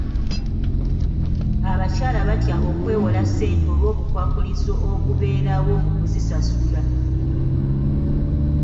Abantu batya okwewola ssente olw'obukwakkulizo obubeerawo mu kuzisasula.